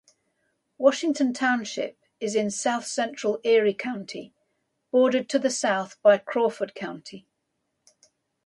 Washington Township is in south-central Erie County, bordered to the south by Crawford County.